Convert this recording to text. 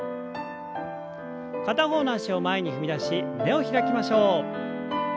片方の脚を前に踏み出し胸を開きましょう。